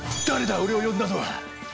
俺を呼んだのは。